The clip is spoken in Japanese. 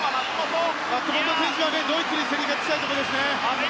松元選手はドイツに競り勝ちたいところですね。